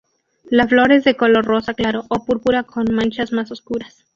La flor es de color rosa claro o púrpura con manchas más oscuras.